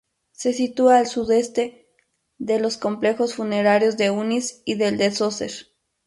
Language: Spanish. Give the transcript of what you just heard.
Se sitúa al sudoeste de los complejos funerarios de Unis y el de Zoser.